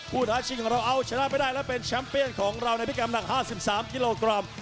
ท้าชิงของเราเอาชนะไปได้และเป็นแชมป์เปียนของเราในพิกรรมหนัก๕๓กิโลกรัม